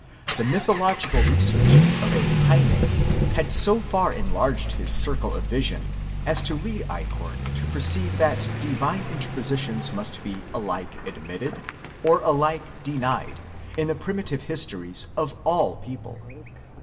The mythological re searches of a Heyne had so far enlarged his circle of vision as to lead Eich horn to perceive that divine interpositions must be alike admitted, or alike denied, in the primitive histories of all people.